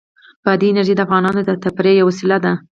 بادي انرژي د افغانانو د تفریح یوه وسیله ده.